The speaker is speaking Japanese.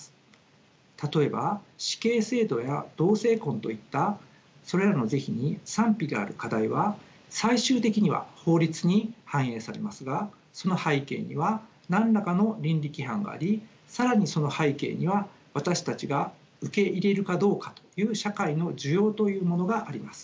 例えば死刑制度や同性婚といったそれらの是非に賛否がある課題は最終的には法律に反映されますがその背景には何らかの倫理規範があり更にその背景には私たちが受け入れるかどうかという社会の受容というものがあります。